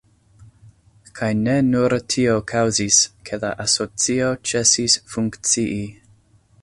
Kaj ne nur tio kaŭzis, ke la asocio ĉesis funkcii.